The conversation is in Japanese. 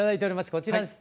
こちらです。